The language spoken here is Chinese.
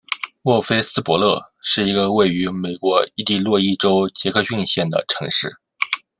莫菲斯伯勒是一个位于美国伊利诺伊州杰克逊县的城市。